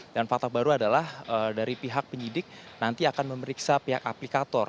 dan fakta baru adalah dari pihak penyidik nanti akan memeriksa pihak aplikator